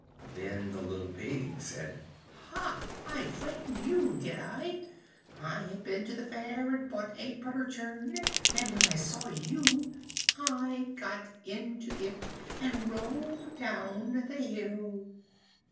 Then the little Pig said, "Hah! I frightened you, did I? I had been to the Fair and bought a butter churn, and when I saw you I got into it, and rolled down the hill."